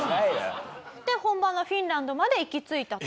で本場のフィンランドまで行き着いたと？